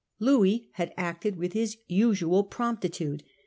Louis had acted with his usual promptitude.